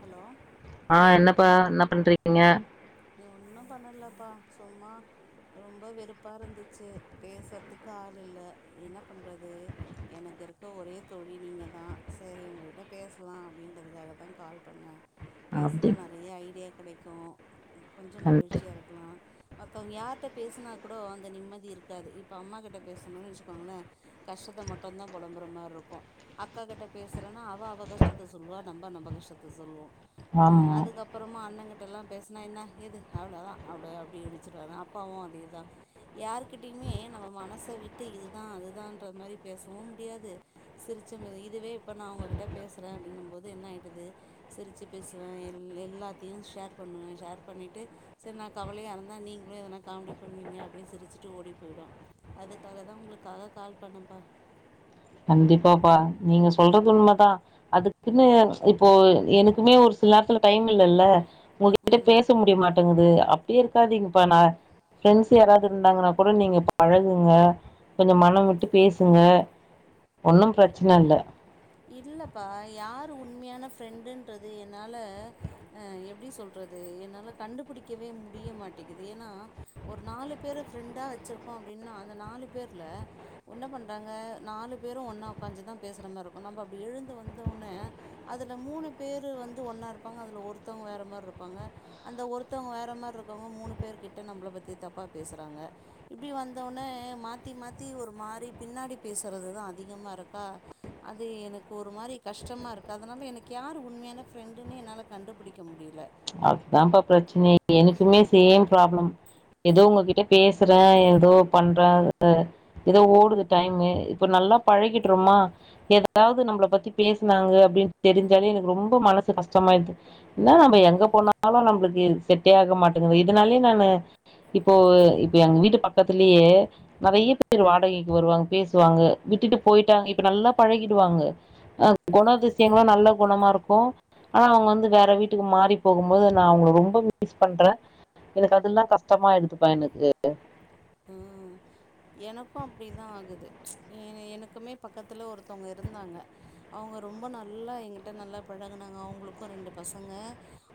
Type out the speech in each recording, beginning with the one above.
hello ஆ என்னப்பா என்ன பண்ட்றிக்கீங்க ஒன்னு பண்ணலப்பா சும்மா ரொம்ப வெறுப்பா இருந்துச்சு பேசுறதுக்கு ஆள் இல்ல என்ன பண்றது எனக் கு இருக்க ஒரே தோழி நீங்க தா சரி உங்ககிட்ட பேச்லா அப்டின்றதுக்காக தா கால் பண்ணே அப்டி பேசுனா நெறைய ஐடியா கெடைக்கு கொஞ்ச கண்டு மகிழ்ச்சியாக இருக்கலா மத்தவங்க யாருட்ட பேசுனா கூடொ அந்த நிம்மதி இருக்காது இப்ப அம்மா கிட்ட பேசணு வச்சுக்கோங்களே கஷ்டத்தை மட்டுந்தா பொலம்புற மார்ருக்கு அக்காக்கிட்ட பேசுகிறேன்னா அவ அவ கஷ்டத்தை சொல்லுவா நம்ப நம்ம கஷ்ட ஸ்டத்த சொல்லுவோ ஆமா அதுக்கப்பறமா அண்ணகிட்டல்லா பேச என்ன என்ன எது அவ்வளோதா அவ அப்டி இனுச்சிடுங்க அப்பாவு அது இதா யாருகிட்டயுமே நம்ம மனச விட்டு இதுதா அதுதான்ற மாரி பேசவு முடியாது சி ச்ச மீ இதுவே இப்ப நா ஒங்ககிட்ட பேசுறே அப்பனும் போது என்ன ஆயிடுது சிரிச்சு பேசுவே எ எல்லாத்தையு ஷேர் பண்ணுவே ஷேர் பண்ணிட்டு சரி நா கவலைய இருந்தா நீங்களு எதனா காமெடி பண்ணுவீங்க அப்டின்னு சிரிச்சுட்டு ஓடி போய்டு அதுக்காக தா உங்களுக்காக கால் பண்ணப்பா கண்டிப்பாப்பா நீங்க சொல்றது உண்மைதா அதுக்குன்னு இப்போ எனக்குமே ஒரு சசெல நேரத்துல டைம் இல்லல்ல உங்ககிட்ட ம் பேச முடிய மாட்டேங்குது அப்டியே இருக்காதீங்கப்பா நா ஃப்ரெண்ட்ஸ் யாராவது இருந்தாங்கன்னா கூட நீங்க பழகுங்க கொஞ்ச மனம் விட்டு பேசுங்க ஒன்னு பிரச்சனைல்ல இல்லப்பா யார் உண்மையான ஃரெண்டுன்றது என்னால ஆ எப்படி சொல்ற து என்னால கண்டுபிடிக்கவே முடிய மாட்டேக்குது ஏன்னா ஒரு நாலு பேர் பிரெண்டா வச்சிருக்கோ அப்படின்னா அந்த நாலு பேர்ல ஒன்ன பண்றாங்க நாலு பேரு ஒன்னா உக்காஞ்சுதா பேசுற மார்ருக்கு நம்ம அப்டி எழுந்து வந்தோனே அதில மூணு பேர் வந்து ஒன்னா இருப்பாங்க அதில ஒருத்தவங்க வேற மாரி இருப் பாங்க அந்த ஒருத்தவங்க வேற மாரி இருக்கவங்க மூணு பேர் கிட்ட நம்மள பத்தி தப்பா பேசுறாங்க இப்டி வந்தவுனே மாத்தி மாத்தி ஒரு மாறி பின்னாடி பேசுறதுதா அதிகமா இருக்கா அது எனக்கு ஒரு மாரி கஷ்டமா இருக்கு அதனால எனக்கு யார் உண்மையான ஃப்ரெண்டுன்னே என்னால கண்டுபிடிக்க முடியல அதுதான்ப்பா பிரச்சனை எனக்குமே சேம் பராப்ளம் ஏதோ உங்ககிட்ட பேசுறே ஏதோ பண்றே எ ஏதோ ஓடுது டைமு இப்ப நா நல்லா பழகிட்றமா ஏதாவது நம்மள பத்தி பேசினாங்க அப்படின்னு தெரிஞ்சாலே எனக்கு ரொம்ப மனசு கஷ்டமாயிது என்னா நாம எங்க போனாலு நம்மளுக்கு செட்டே ஆக மாட்டேங்க இதனாலயே நானு இப்போ இப்ப எங்க வீட்டு பக்கத்துலயே நெறைய பேர் வாடகைக்கு வருவாங்க பேசுவாங்க விட்டுட்டு போயிட்டாங்க இப்ப நல்லா பழகிடுவாங்க அ கொணாதிசயங்களு நல்ல கொணமா இருக்கு ஆனா அவங்க வந்து வேற வீட்டுக்கு மாறி போகும்போது நா அவங்கள ரொம்ப மிஸ் பண்றே எனக்கு அதல்லா கஷ்டமா எடுத்துப்பா எனக்கு ம் எனக்கு அப்படிதா ஆகுது எ எனக்குமே பக்கத்துல ஒருத்தவங்க இருந்தாங்க அவங்க ரொம்ப நல்லா என்கிட்ட நல்லா பழகுனாங்க அவங்களுக்கு ரெண்டு பசங்க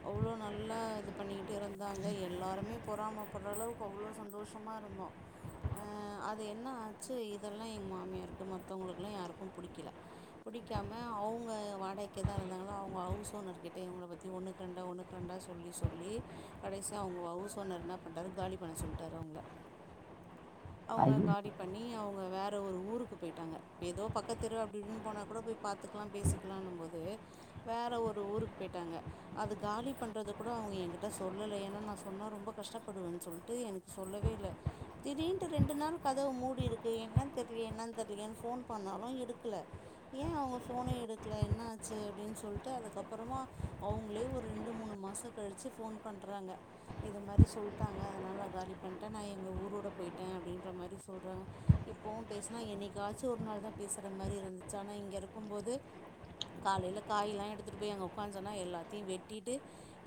அவ்ளோ நல்லா இது பண்ணி ட்டு இருந்தாங்க எல்லாருமே பொறமைப்பற அளவுக்கு அவ்ளோ சந்தோஷமா இருந்தோ அ அது என்ன ஆச்சு இதெல்லா எங்க மாமியாருக்கு மத்தவங்களுக்குலா யாருக்கு புடிக்கல புடிக்காம அவுங்க வாடகைக்குதா இருந்தாங்களோ அவங்க ஹவுஸ் ஓனர் கிட்ட இவங்கள பத்தி ஒண்ணுக்கு ரெண்டா ஒண்ணுக்கு ரெண் சொல்லி சொல்லி கடைசியா அவங்க ஹவுஸ்ஓனர் என்ன பண்ணிட்டாரு காலி பண்ண சொல்ட்டாரு அவுங்கள அவங்க ஐயோ காலி பண்ணி அவங்க வேற ஒரு ஊருக் கு போயிட்டாங்க ஏதோ பக்கத்துதெரு அப்டி இப்டி போன கூட போய் பாத்துக்கலா பேசிக்கலானும் போது வேற ஒரு ஒரு ஊருக்கு போயிட்டாங்க அது காலி பண்றது கூட அவங்க என்கிட்ட சொல்லல ஏன்னா நா சொன்ன ரொம்ப கஷ்டப்படுவே ண்ட்டு சொல்ட்டு எனக்கு சொல்லவே இல்ல திடீர்னு ரெண்டு நாள் கதவு மூடிருக்கு என்னன் தெரிலயே என்னன் தெரிலயேன்னு போன் பண்ணாலு எடுக்கல ஏ அவங்க போனே எடுக்கல என்ன ஆச்சு அப்படின் சொல்லிட்டு அதுக்கப்புறமா அவங்களே ஒரு ரெண்டு மூணு மாச கழிச்சு போன் பண்றாங்க இது மாரி சொல்லிட்டாங்க அதனால காலி பண்ணிட்டே நா எங் எங்க ஊரோட போயிட்டேன் அப்படின்ற மாதிரி சொல்றாங்க இப்பவு பேசினா என்னைக்காச்சு ஒரு நாள் தா பேசுற மாரி இருந்துச்சு ஆனா இங்க இருக்கும்போது காலையில காயல்லா எடுத்துட்டு போய் அங்க உக்க்காஞ்சோனா எல்லாத்தையு வெட்டிட்டு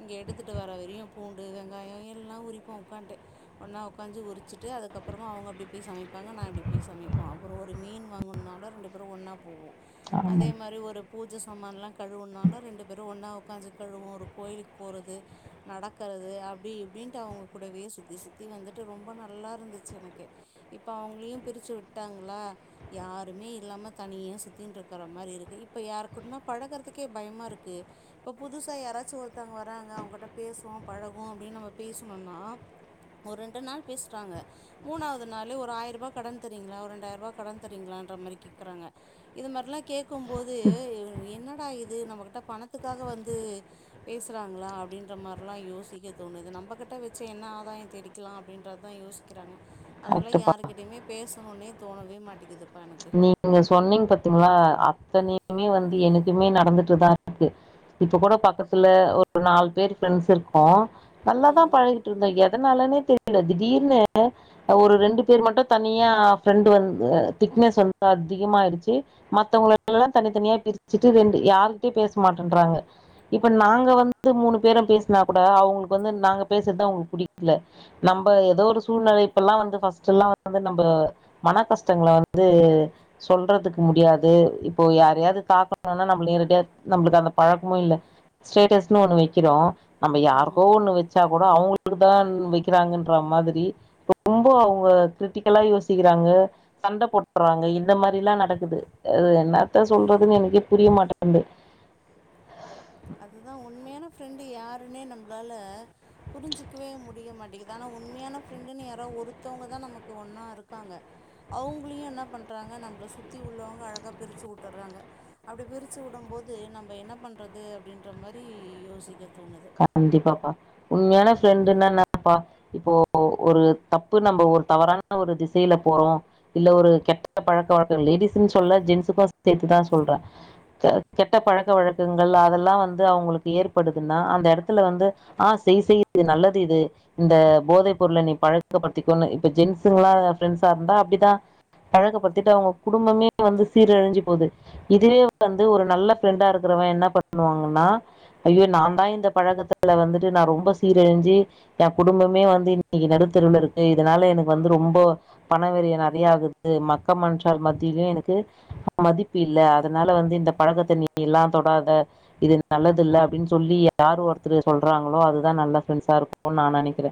இங்க எடுத்துட்டு வர வரையு பூண்டு வெங்காய எல்லா உரிப்போ ஒக்காண்ட்டு ஒண்ணா உக்காஞ்சு உரிச்சுட்டு அதுக்கப்புறமா அவங்க அப்டி போய் சமைப்பாங்க நா அப்படி போய் சமைப்போ அப்பற ஒரு மீன் வாங்குனாலு ரெண்டு பேரு ஒன்னா போவோ ஆமா அதே மாரி ஒரு பூஜை சாமான்ல்லா கழுவுனாலு ரெண்டு பேரு ஒன்னா உக்காஞ்சு கழுவு இப்ப ஒரு கோயிலுக்கு போறது நடக்குறது அப்டி இப்டின்ட்டு அவங்க கூடவே சுத்தி சுத்தி வந்துட் ரொம்ப நல்லா இருந்துச்சு எனக்கு இப்ப அவங்களையு பிரிச்சு விட்டாங்களா யாருமே இல்லாம நம்ம தனியா சுத்தின்ருக்கிற மாரி இருக்கு இப்ப யாருக்கூட்னா பழகுறதுக்கே பயமா இருக்கு இப்ப புதுசா யாராச்சு ஒருத்தவுங்க வராங்க அவுங்கிட்ட பேசுவோ பழகுவோ அப்டின் நம்ம பேசுணுனா ஒரு ரெண் ண்டு நாள் பேஸ்றாங்க மூணாவது நாளு ஒரு ஆயிர்ரூபா கடன் தரிங்களா ஒரு ரெண்டாயிர ரூவா கடன்தரிங்ளான்ற மாரி கேக் குறாங்க இது மாரிலா கேக்குபோது என்னடா இது நம்ம கிட்ட பணத்துக்காக வந்து பேசுறாங்ளா அப்டின்ற மாரிலா யோசிக்க தோணுது நம்ம கிட்ட வெச்சு என்ன ஆதாயோ தேடிக் கிலா அப்டின்ற தா யோசிக்கிறாங்க அதனால கரெக்ட்டுப்பா யாருகிட்டையிமே பேசணுனே தோணவே மாட்டிகுது நீங்க சொன்னீங் பாத்தீங்ளா அத்தனையுமே வந்து எனக்குமே நடந்துட்டுதா இருக்கு இப்ப கூட பக்கத்துல ஒரு நாலு பேர் ஃப்ரெண்ட்ஸ் இருக்கோ நல்லாதா ம் பழகிட்ருந்தோ எத னாலனே தெரில திடீர்னு ஒரு ரெண்டு பேர் மட்டு தனியா ஃப்ரெண்டு் வந்து திக்னஸ் வந்து அதிகமாயிடுச்சு மத்தவங்களுகெல்லா தனி தனியா பிரிச்சிட்டு ரெண்டு யார்ட்டை பேச மாட் டேன்றாங்க இப்ப நாங்க வந்து மூணு பேரு பேசுனா கூட அவுங்களுக்கு வந்து நாங்க பேசறத்தா அவுங் புடி க்கில நம்ம ஏதோ ஒரு சூழ்நெலை இப்பெல்லா வந்து ஃபஸ்டல்லா வந்து நம்ம மன கஷ்டங்கள வ ந்து சொல்றதுக்கு முடியாது இப்போ யாரையாது தாக்கணுனா நம்ம நேரடிய நம்மளுக்கு அந்த பழக்கமு இல்ல ஸ்டேட்டஸ்ன்னு ஒன்னு வெக்கிறோ நம்ம ம் யாருக்கோ ஒன்னு வச்சாக் கூட அவுங்களுக்கு தான் வெக்கிறாங்கன்ற மாதிரி ரொம்போ அவங்க கிரிட்டிக்கலா யோசிக்கிறாங் க சண்ட போட்டுறாங்க இந்த மாரில்லா நடக்குது அது என்னாத்த சொல்றதுனே எனக்கே புரிய மாட்டேங்குது அதுதா உண்மையான ஃப்ரெண்டு யாருன்னே நம்ளால புரிஞ்சுக்கவே முடிய மாட்டிங்குது ஆனா உண்மையான ஃப்ரெண்டுன்னு யாரோ ஒருத்தவங்கதா நமக்கு ஒன்னா இருக்காங்க அவுங்களையு என்னா பண்றாங்க நம்மள சுத்தியுள்ளவங்க அழகா பிரிச்சு உட்டுறாங்க அப்டி பிரிச்சு உடும்போது நம்ம என்ன பண்றது அப்டின்ற மாரி யோசிக்க தோணுது கண்டிப்பாப்பா உண்மையான ம், ஃப்ரெண்டுனா என்னப்பா இப்போ ஒரு தப்பு நம்ம ஒரு தவறான ஒரு திசையில போறோ இல்ல ஒரு கெட்ட பழக் [unintelligible] லேடிஸுன் சொல்ல ஜென்ஸ்க்கு சேத்துதா சொல்றே கெ கெட்ட பழக்க வழக்கங்கள் அதெல்லாந் [unintelligible] வந்து அவங்களுக்கு ஏற்படுதுன் நா அந்த எடத்துல வந்து ஆ செய் செய் இது நல்லது இது இந்த போதை பொருள நீ பழக்கப்படுத்தி இப் ஒன்னு இப்ப ஜென்ஸுங்லா ஃப்ரெண்ட்ஸா இருந்தா அப்டிதா பழக்கப்படுத்திட்டு அவுங்க குடும்பமே வந்து சீரழஞ்சு போது இதே வந்து ஒரு நல்ல ஃப்ரெண்டா இருக்குற கோ என்ன பண்ணுவாங்கன்னா ஐயோ நாங் தா இந்த பழக்கத்துல வந்துட்டு நா ரொம்ப சீரழஞ்சி எ குடும்பமே வந்து இன்னைக்கு நடுத்தெருவுல இருக்கு இதனால எனக்கு வந்து ரொம்ப பண விரயோ நெறையாகுது மக்க மன்ஷால் மத்திலே எனக்கு மதிப்பில்ல அதனால வந்து இந்த பழக்கத்த நீயெல்லா தொடாத இது நல்லது இல்ல அப்டின் சொல்லி யார் ஒருத்தரு சொல்றாங்களோ அதுதா நல்ல ஃப்ரெண்ட்ஸா இருக்குன் நா நெனைக்கிறே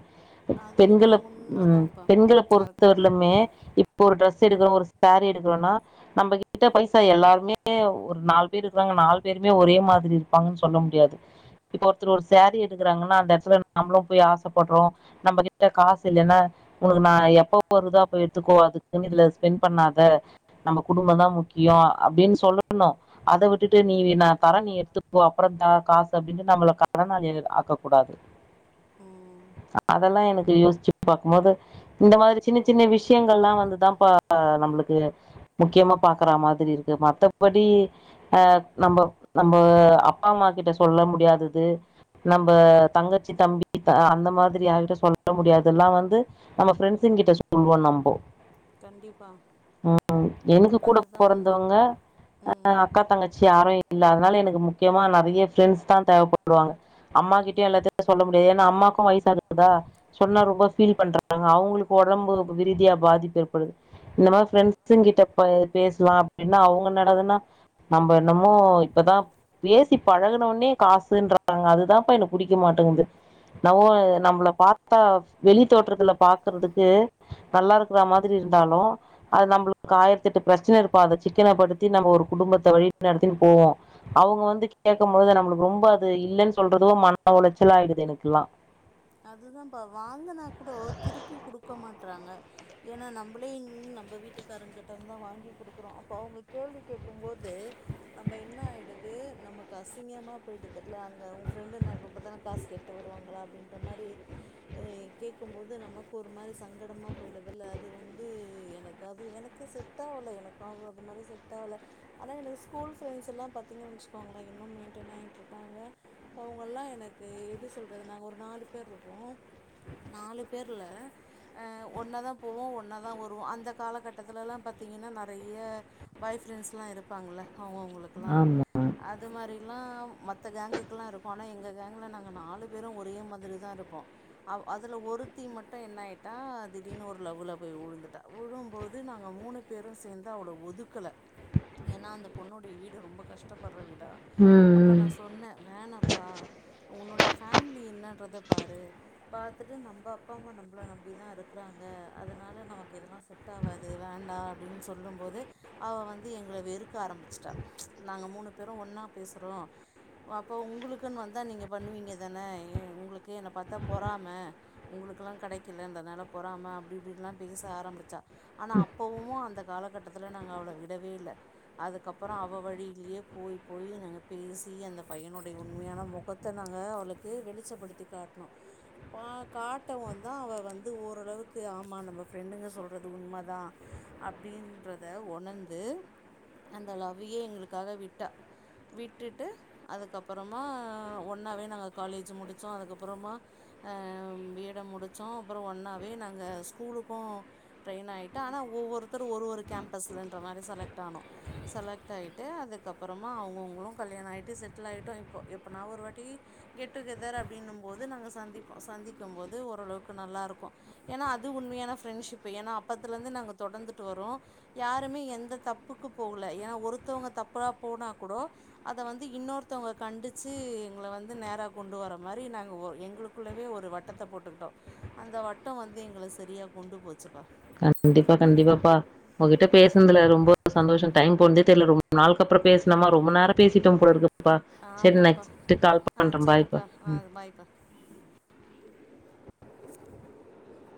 அது வேணா பெண்களப் ம் உண்மைதான்ப்பா பெண்கள அது பொறுத்தவர்லமே இப் ஒரு ட்ரெஸ் எடுக்கிறோ ஒரு சேரி எடுக்கிறோனா நம்ம கிட்ட பைசா எல்லார்மே ஒரு நாலு பேர்ருக்கிறாங் க நால் பேருமே ஒரே மாதிரி இருப்பாங்கன் சொல்ல முடியாது இப்ப ஒருத்தர் ஒரு சேரீ எடுக்கறாங்கன்னா அந்த எடத்துல நாமளு போய் ஆசப்பட்றோ நம்ம கிட்ட காசு இல்லைன்னா உனக்கு நா எப்ப [inaudible] வருதோ அப்ப எடுத்துக்கோ அதுக்குன்னு இதுல ஸ்பெண்ட் பண்ணாத நம்ம குடும்பந்தா முக்கி யோ அப்டின் சொல்லணு அத விட்டுட்டு நீ நா தரே நீ எடுத்துட்போ அப்புற தா காசு அப்டீனு நம்மள கடனாளியா ஆக்க கூடாது ம் அதெல்லா எனக்கு யோசிச்சு பாக்கும்போது இந்த மாரி சின்ன சின்ன விஷயங்கள்ல்லா வந்துதாப்பா நம்மளுக்கு முக்கியமா பாக்கற மாதிரி இருக்கு மத்தபடி அ நம்ம நம் ம அப்பா அம்மா கிட்ட சொல்ல முடியாதது நம்ப தங்கச்சி தம்பி அந்த மாதிரி யாருகிட்ட சொல்ல முடியாத்தெல்லா வந்து நம்ம ஃப்ரெண்ட்ஸு ங்கிட்ட சொல்லுவோ நம்போ கண்டிப்பா ம் எனக்கு கூட உண்மை பொறந்தவங்க அ ம் அக்கா தங்கச்சி யாரு இல்ல அதனால எனக்கு முக்கியமா நெறையா ஃப்ரெண்ட்ஸ் தா தேவப்படுவாங்க அம்மாகிட்டயு ம் எல்லாத்தையு சொல்ல முடியாது ஏனா அம்மா எனக்கோ வயுசாகுதா சொன்னா ரொம்ப ஃபீல் பண்றாங்க அவுங்குளுக்கு ஒடம்பு ரீதியா பாதிப்பு ஏற்படுது இந்த மாரி ஃப்ரெண்ட்ஸுங் கிட்ட பேசுலா அப்டின்னா அவுங்க நடதுன்னா நம்ம என்னமோ இப்பதா பேசி பழகனவொன்னே காசுன்றாங்க அதுதான்ப்ப எனக்கு புடிக்க மாட்டேங்குது இன்னவோ நம்மள பாத்தா வெளி தோற்றத்துல பாக்குறதுக்கு நல்லா இருக்குற மாதிரி இருக் இந்தாலோ அது நம்முளுக்கு ஆயிரத்தெட்டு ப்ரச்சன இருக்கோ அத சிக்கனப்படுத்தி நம்ம ஒரு குடும்பத்த வழி நடத்தினு போ போவோ அவுங்க வந்து கேக்கும்போது நம்முளுக் ரொம்ப அது இல்லன்னு சொல்றதோ மன ஒளச்சல ஆயிடுது எனக்குலா அதுதா பா வாங்குனா கூட திருப்பி குடுக்க மாட்றாங்க ஏன்னா நம்பளே இங் நம்ம வீட்டுக்காரங் கிட்டந்தா வாங்கி குடுக்கறோ அப்ப அவுங்க கேள்வி கேக்கும்போது நம்ப என்ன ஆயிடு து நம்மக்கு அசிங்கமா போயிடுதுல அங்க ஊ ஃப்ரெண்டு இன்னா எப்ப பாத்தாலு காசு கேட்டு வருவாங்களா அப்டின் இந்த மாரி ஏ கேக்கும் போது நமக்கு ஒரு மாரி சங்கடமா போயிடுதுல அது வந்து எனக்கு அது எனக் இது செட் ஆவுல எனக்கு அது மாரி செட் ஆவுல ஆனா எனக்கு ஸ்கூல் ஃப்ரெண்ஸெலா பாத்தீங்கன் வெச்சுகோங்களே மெயின்டென் ஆய்ட்ருக்காங்க அவுங்கெல்லா எனக்கு எப்டி சொல்றது நாங்க ஒரு நாலு பேர்க்கோ நாலு பேர்ல அ ஒன்னாதா போவோ ஒன்னாதா வருவோ அந்த காலகட்டத்துலலா பாத் த்தீங்கன்னா நறைய பாய் ஃப்ரெண்ட்ஸ்லா இருப்பாங்ல அவுங்கவுங்குளுக்குலா ஆமா அது மாரிலா மத்த கேங்குக்குல்லா இருக்கோ ஆனா எங்க கேங்குல நாங்க நாலு பேரோ ஒரே மாதிரி ஒன்னா இருப்போ அவ் அதுல ஒருத்தி மட்டோ என்னா ஆய்ட்டா திடீர்னு ஒரு லவ்வுல போய் உழுந்துட்டா உழு போகும்போது நாங்க மூணு பேரோ சேந்து அவள ஒதுக்கல ஏன்னா அந்த பொண்ணோடைய வீடு ரொம்ப கஷ்டப்பட் அவள விடா ம் அப்ப ம் நா சொன்னே வேணாப்பா உன்னோடைய ஃபேமிலி என்னன்றத பாரு பாத்துட்டு நம்ம அப்பா அம்மா நம்மள நம்பி தா இருக்குறாங்க அதனால நமக்கு இதெல்லா செட் டாவாது வேண்டா அப்டீன்னு சொல்லும் போது அவ வந்து எங்கள வெறுக்க ஆரம்பிச்சிட்டா நாங்க மூணு மூணு பேரோ ஒன்னா பேசுறோ அப்போ உங்குளுக்குன்னு வந்தா நீங்க பண்ணுவீங்க தானே எ உங்குளுக்கு ஓகே என்ன பாத்தா பொறாம உங்குளுக்கெலா கெடைக்குல என்றதனால பொறாம அப்டி இப்டீலா பேச ஆரம்பிச்சா ஆனா அப்பவு அந்த காலகட்டத்துல நாங்க அவள விடவே இல்ல அதுக்கப்புறோ அவ வழிலயே போய் போயி நாங்க பேசி அந்த பையனோட உண்மையான மொகத்த நாங்க அவுளுக்கு வெளிச்சப்படுத்தி காட்ணோ பா காட்டவு தா அவ வந்து ஓரளவுக்கு ஆமா நம்ம ஃப்ரெண்டுங்க சொல்றது உண்மதா அப்டீன்றத ஒணந்து அந்த லவ்வியே எங்களுக்காக விட்டா விட்டுட்டு அதுக்கப்றமா ஒன்னாவே நாங்க காலேஜ் முடிச்சோ அதுக் அப்புரமா அ பி ஏ ட முடுச்சோ அப்ரோ ஒன்னாவே நாங்க ஸ்கூலுக்கோ ட்ரை னாயிட்டு ஆனா ஒவ்வோருத்தரு ஒரு ஒரு கேம்பஸ்லன்ற மாரி செலக்ட் ஆனோ செலக்ட் ஆயிட்டு அதுக்கப் அப்புறமா அவுங்கவுங்களு கல்யாணோ ஆயிட்டு செட்லு ஆயிட்டோ இப்போ எப்போனா ஒரு வாட்டி கெட் டூ கெதர் அப்டீன்னு போது நாங்க சந்திப்போ சந்திக்கு போது ஓரளவுக்கு நல்லாருக்கோ ஏன்னா அது உண்மையான ஃப்ரெண்ட்ஷிப்பு ஏன்னா அப் பத்துலந்து நாங்க தொடந்துட்டு வரோ யாருமே எந்த தப்புக்கு போகல ஏன்னா ஒருத்தவுங்க தப்பா போனா கூட அத வந்து இன்னோர்த்தவுங்க கண்டிச்சி எங்கள வந்து நேரா கொண்டு வர மாரி நாங் ஓ எங்குளுக்குள்ளவே ஒரு வட்டத்த போட்டுக்கிட்டோ அந்த வட்டோ வந்து எங்கள சரியா கொண்டு போச்சுப்பா கண்டிப்பா கண்டிப்பாப்பா உங்கிட்ட பேசுனதுல ரொம்போ சந்தோசோ டைம் போனதே தெர்ல ரொம்ப நாள் கப் றோ பேசுனமா ரொம்ப நேரோ பேசிட்டோ போல இருக்கு ஆமாப்பா ஆ பாய்ப்பா சரிப்பா ஆ ம் பாய்பா